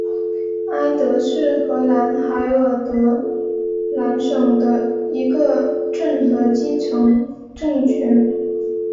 埃德是荷兰海尔德兰省的一个镇和基层政权。